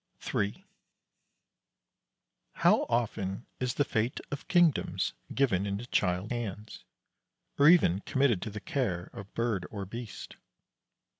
III How often is the fate of kingdoms given into child hands, or even committed to the care of Bird or Beast!